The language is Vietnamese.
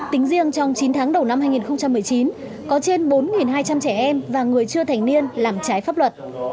tính riêng trong chín tháng đầu năm hai nghìn một mươi chín có trên bốn hai trăm linh trẻ em và người chưa thành niên làm trái pháp luật